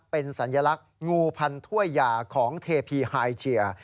เป็นสัญลักษณ์งูพันถ้วยยาของเทพีไฮเชีย